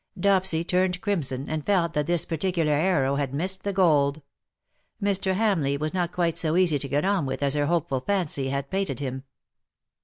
Dopsy turned crimson^ and felt that this par ticular arrow had missed the gold. Mr. Hamleigb Avas not quite so easy to get on with as her hopeful fancy had painted him.